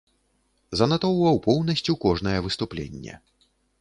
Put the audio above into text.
Занатоўваў поўнасцю кожнае выступленне.